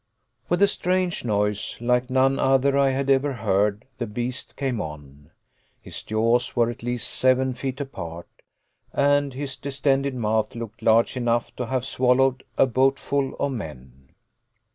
With a strange noise, like none other I had ever heard, the beast came on. His jaws were at least seven feet apart, and his distended mouth looked large enough to have swallowed a boatful of men.